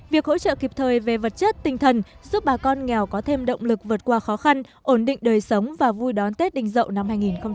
việc hỗ trợ kịp thời về vật chất tinh thần giúp bà con nghèo có thêm động lực vượt qua khó khăn ổn định đời sống và vui đón tết đình dậu năm hai nghìn hai mươi